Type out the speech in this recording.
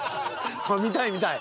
見たい見たい！